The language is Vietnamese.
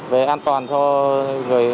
về an toàn cho người